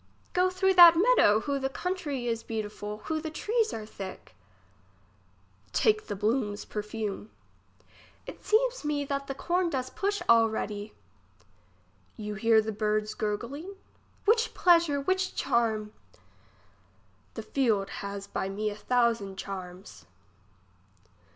Go through that meadow. Who the country is beautiful ! who the trees are thick ! Take the bloom's perfume. It seems me that the com does push alredy. You hear the bird's gurgling ? Which pleasure ! which charm ! The field has by me a thousand charms.